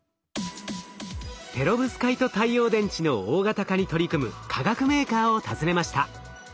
ペロブスカイト太陽電池の大型化に取り組む化学メーカーを訪ねました。